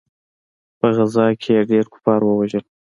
په غزا کښې يې ډېر کفار ووژل.